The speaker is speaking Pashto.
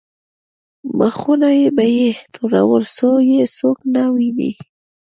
مخونه به یې تورول څو یې څوک ونه ویني.